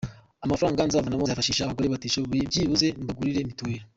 Amafaranga nzavanamo nzayafashisha abagore batishoboye, byibuze mbagurire mituweli”.